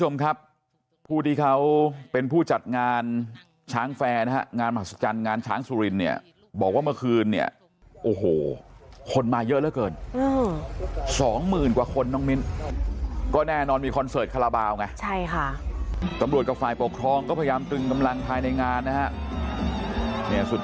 มันก็จะเอากันให้ได้อะตั้งแต่ตอนที่คอนเสิร์ทแอปทหาร้าบาลยังเล่นกันอยู่